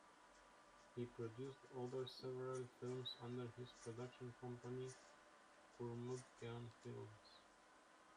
He produced other several films under his production company Curmudgeon Films.